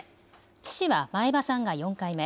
津市は前葉さんが４回目。